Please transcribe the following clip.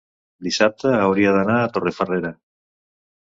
dissabte hauria d'anar a Torrefarrera.